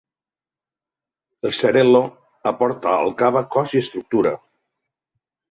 El xarel·lo aporta al cava cos i estructura.